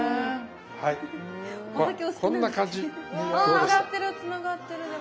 つながってるつながってるでも。